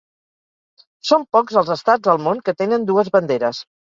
Són pocs els estats al món que tenen dues banderes.